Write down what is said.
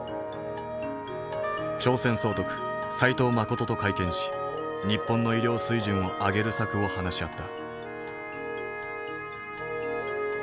朝鮮総督斎藤実と会見し日本の医療水準を上げる策を話し合った。